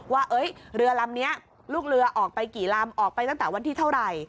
ว่าเรือลำนี้ลูกเรือออกไปกี่ลำออกไปตั้งแต่วันที่เท่าไหร่